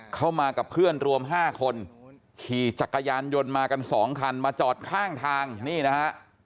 เข้ามากับเพื่อนรวม๕คนขี่จักรยานยนต์มากันสองคันมาจอดข้างทางนี่นะฮะ